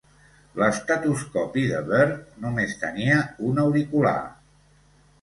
L'estetoscopi de Bird només tenia un auricular.